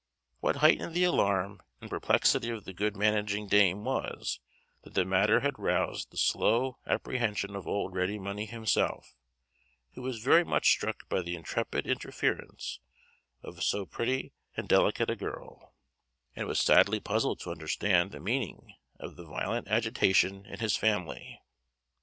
What heightened the alarm and perplexity of the good managing dame was, that the matter had roused the slow apprehension of old Ready Money himself; who was very much struck by the intrepid interference of so pretty and delicate a girl, and was sadly puzzled to understand the meaning of the violent agitation in his family.